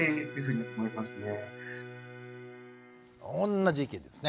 同じ意見ですね。